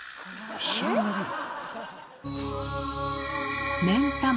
後ろにのびる？